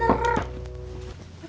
mak yakin itu bener